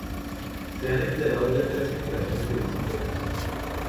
Se han empleado ya tres generaciones de bicicletas.